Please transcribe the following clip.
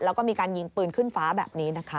แล้วก็มีการยิงปืนขึ้นฟ้าแบบนี้นะคะ